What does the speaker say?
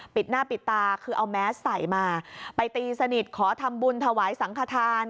ปิดหน้าปิดตาคือเอาแมสใส่มาไปตีสนิทขอทำบุญถวายสังขทาน